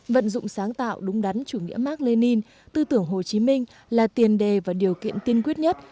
vận dụng sáng tạo đúng đắn chủ nghĩa mark lenin tư tưởng hồ chí minh là tiền đề và điều kiện tiên quyết nhất